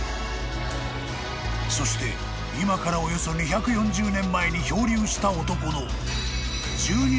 ［そして今からおよそ２４０年前に漂流した男の］